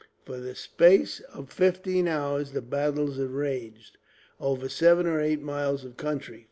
For the space of fifteen hours the battles had raged, over seven or eight miles of country.